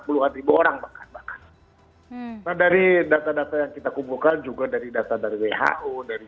ribuan ribuan orang bahkan bahkan dari data data yang kita kuburkan juga dari dasar dari who dari